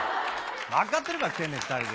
分かってるから来てんねん、２人で。